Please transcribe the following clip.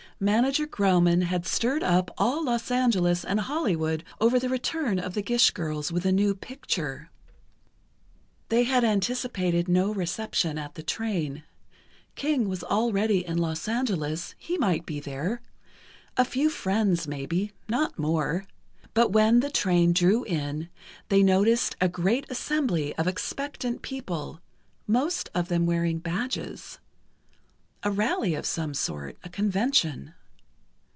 Manager Grauman had stirred up all Los Angeles and Hollywood over the return of the Gish girls with a new picture. They had anticipated no reception at the train. King was already in Los Angeles; he might be there ... a few friends, maybe, not more. But when the train drew in, they noticed a great assembly of expectant people, most of them wearing badges—a rally of some sort, a convention.